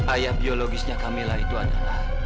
ayah biologisnya camilla itu adalah